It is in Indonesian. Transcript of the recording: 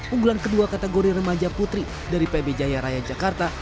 unggulan kedua kategori remaja putri dari pb jaya raya jakarta